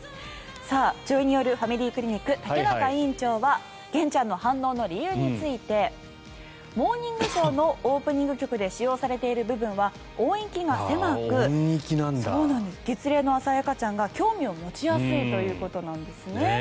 女医によるファミリークリニック竹中院長は玄ちゃんの反応の理由について「モーニングショー」のオープニング曲で使用されている部分は音域が狭く月齢の浅い赤ちゃんが興味を持ちやすいということなんですね。